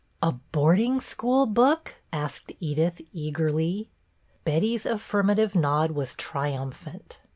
" A boarding school book .''" asked Edith, eagerly. Betty's affirmative nod was triumphant.